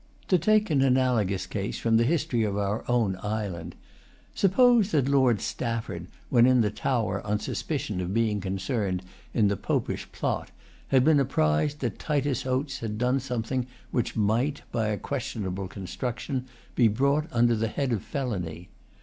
To take an analogous case from the history of our own island: suppose that Lord Stafford, when in the Tower on suspicion of being concerned in the Popish Plot, had been apprised that Titus Oates had done something which might, by a questionable construction, be brought under the head of felony.